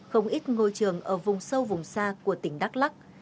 không ít ngôi trường ở vùng sâu vùng xa của tỉnh đắk lắc